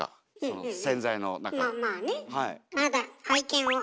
まあまあね。